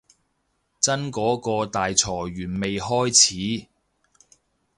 真嗰個大裁員未開始